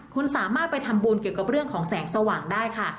คุณสามารถไปทำบุญเกี่ยวกับเรื่องของแสงสว่างได้ค่ะ